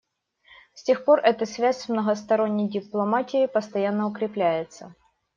С тех пор эта связь с многосторонней дипломатией постоянно укрепляется.